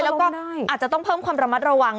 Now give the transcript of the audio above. แล้วก็อาจจะต้องเพิ่มความระมัดระวัง